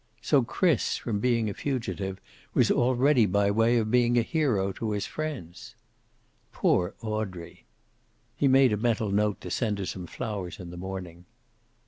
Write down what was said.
So Chris, from being a fugitive, was already by way of being a hero to his friends. Poor Audrey! He made a mental note to send her some flowers in the morning.